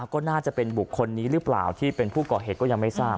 ก็น่าจะเป็นบุคคลนี้หรือเปล่าที่เป็นผู้ก่อเหตุก็ยังไม่ทราบ